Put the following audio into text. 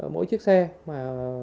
mỗi chiếc xe mà